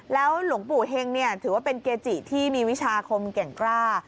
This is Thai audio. แล้วหลวงปู่เฮงถือว่าเป็นเกจิที่มีวิชาคมแก่งกล้า